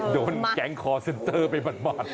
โดนแก๊งคอร์เซ็นเตอร์ไปบาด